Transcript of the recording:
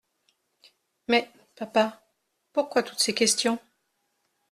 Mais, papa, pourquoi toutes ces questions ?